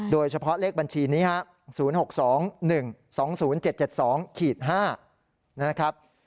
โดยเฉพาะเลขบัญชีนี้ฮะ๐๖๒๑๒๐๗๗๒๕นะครับ